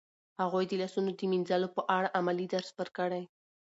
هغوی ته د لاسونو د مینځلو په اړه عملي درس ورکړئ.